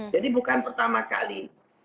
jadi bukan pertama kali